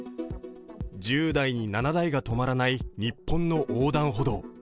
１０台に７台が止まらない日本の横断歩道。